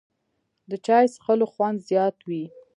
د چای څښلو خوند زیات وي